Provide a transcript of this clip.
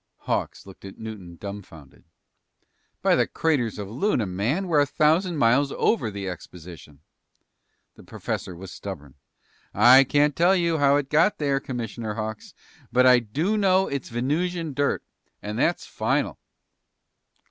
Hawks looked at Newton dumbfounded. "By the craters of Luna, man, we're a thousand miles over the exposition!" The professor was stubborn. "I can't tell you how it got here, Commissioner Hawks. But I do know it's Venusian dirt. And that's final!"